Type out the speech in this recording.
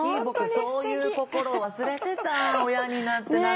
僕そういう心忘れてた親になって。